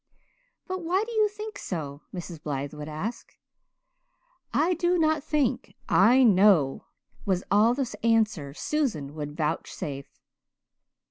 "But why do you think so?" Mrs. Blythe would ask. "I do not think I know," was all the answer Susan would vouchsafe.